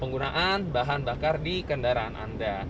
penggunaan bahan bakar di kendaraan anda